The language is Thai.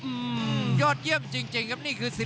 กรรมการเตือนทั้งคู่ครับ๖๖กิโลกรัม